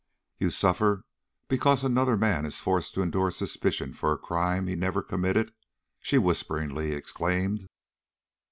"You suffer because another man is forced to endure suspicion for a crime he never committed," she whisperingly exclaimed.